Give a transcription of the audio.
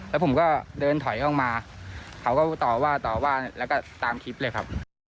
แล้วผมก็เดินถอยออกมาเขาก็ต่อว่าต่อว่าแล้วก็ตามคลิปเลยครับ